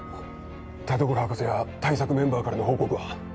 田所博士や対策メンバーからの報告は？